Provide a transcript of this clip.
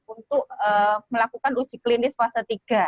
untuk melakukan uji klinis fase tiga